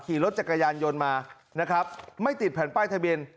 ขี่รถจักรยานยนต์มานะครับไม่ติดแผ่นป้ายทะเบียน